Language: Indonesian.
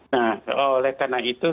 nah oleh karena itu